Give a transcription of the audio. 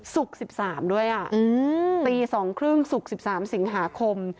ศุกร์สิบสามด้วยอ่ะอืมตีสองครึ่งศุกร์สิบสามสิงหาคม